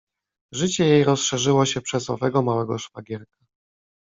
Życie jej rozszerzyło się przez owego małego szwagierka.